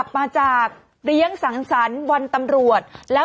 ปรากฏว่าสิ่งที่เกิดขึ้นคลิปนี้ฮะ